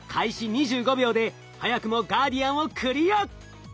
２５秒で早くもガーディアンをクリア。